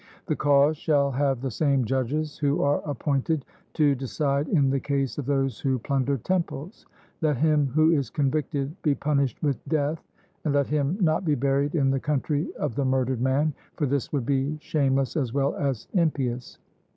The cause shall have the same judges who are appointed to decide in the case of those who plunder temples. Let him who is convicted be punished with death, and let him not be buried in the country of the murdered man, for this would be shameless as well as impious.